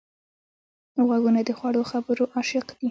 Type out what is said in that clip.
غوږونه د خوږو خبرو عاشق دي